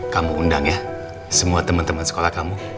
kamu undang ya semua teman teman sekolah kamu